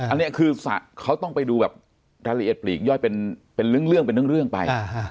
อันนี้คือเขาต้องไปดูรายละเอียดปลีกย่อยเป็นเรื่องไป